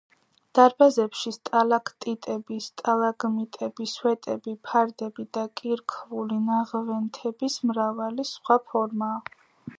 დარბაზებში სტალაქტიტები, სტალაგმიტები, სვეტები, ფარდები და კირქვული ნაღვენთების მრავალი სხვა ფორმაა.